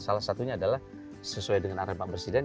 salah satunya adalah sesuai dengan arah pak presiden